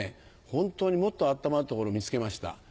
本当にもっと温まるところ見つけました。